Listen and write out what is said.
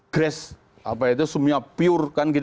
grace apa itu semuanya pure kan gitu